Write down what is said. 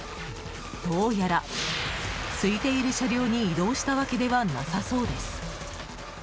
どうやら空いている車両に移動したわけではなさそうです。